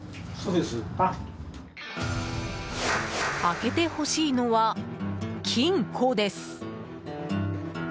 開けてほしいのは、金庫です。